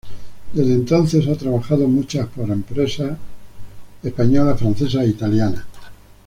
Desde entonces, ha trabajado mucho para empresas españolas, francesas e italianas.